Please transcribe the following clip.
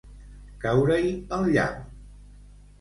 Caure-hi el llamp.